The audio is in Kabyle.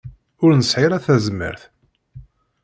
Ur nesɛi ara tazmert.